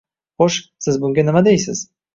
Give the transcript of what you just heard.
Xo`sh, Siz bunga nima deysiz